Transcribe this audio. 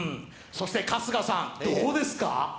そして春日さん、どうですか？